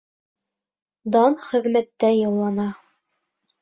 Дан хеҙмәттә яулана.